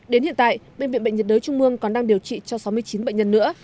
đến hiện tại bệnh viện bệnh nhiệt đới trung mương còn đang điều trị cho sáu mươi chín bệnh nhân nữa